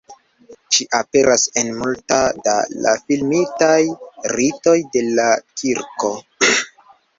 Ŝi aperas en multe da la filmitaj ritoj de la Kirko.